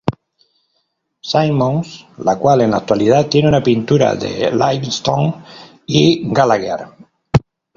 Simon´s, la cual en la actualidad tiene una pintura de Livingstone y Gallagher.